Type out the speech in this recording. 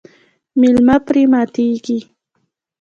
میلمه پرې ماتیږي.